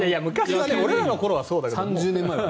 俺らの頃はそうだけど。